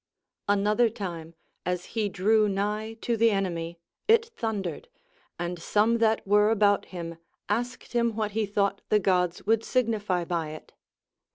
An other time, as he drew nigh to the enemy, it thundered, and some that were about him asked him Avhat he thouo ht the Gods would signify by it.